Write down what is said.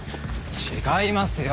違いますよ。